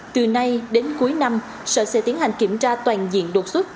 từ nay đến cuối năm sở sẽ tiến hành kiểm tra toàn diện đột xuất